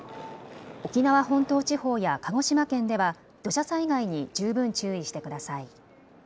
沖縄本島地方や鹿児島県では土砂災害に十分注意してください。